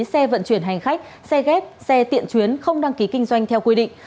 xe vận chuyển hành khách xe ghép xe tiện chuyến không đăng ký kinh doanh theo quy định